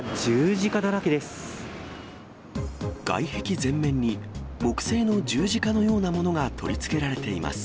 外壁全面に木製の十字架のようなものが取り付けられています。